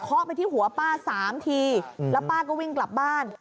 ไปที่หัวป้า๓ทีแล้วป้าก็วิ่งกลับบ้าน